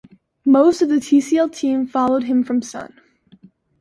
Most of the Tcl team followed him from Sun.